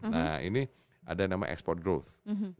nah ini ada yang namanya export growth